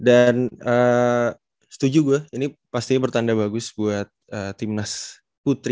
ayu juga sizenya bagus gitu